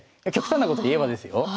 極端なこと言えばですよ。